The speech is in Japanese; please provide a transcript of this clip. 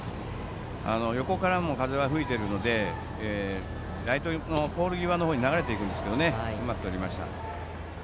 横からも風が吹いているのでライトのポール際の方に流れていくんですがうまくとりました。